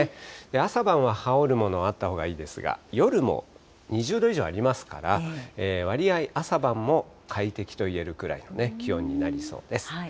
朝晩は羽織るものあったほうがいいですが、夜も２０度以上ありますから、割合、朝晩も快適といえるくらいの気温になりそうです。